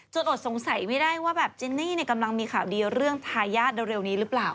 อดสงสัยไม่ได้ว่าแบบจินนี่กำลังมีข่าวดีเรื่องทายาทเร็วนี้หรือเปล่า